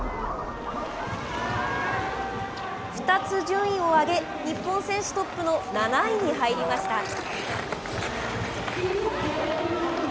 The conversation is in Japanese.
２つ順位を上げ、日本選手トップの７位に入りました。